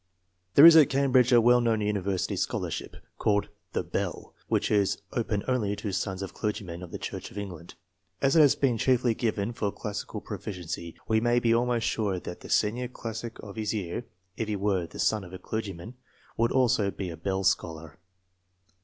There is at Cambridge a well known university scholarship, called the " Bell," which is open only to sons of clergymen of the Church of England. As it has been chiefly given for classical proficiency, we may be almost sure that the senior classic of his year, if he were the son of a clergyman, would also be a Bell scholar.